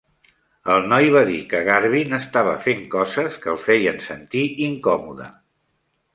El noi va dir que Garvin estava fent coses que el feien sentir incòmode.